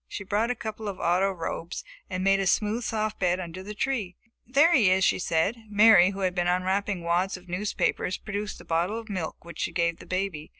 She brought a couple of auto robes and made a smooth, soft bed under the tree. "There he is!" she said. Mary, who had been unwrapping wads of newspapers, produced a bottle of milk which she gave the baby.